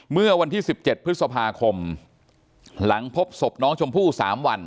เมื่อวันที่๑๗พฤษภาคมหลังพบศพน้องชมพู่๓วัน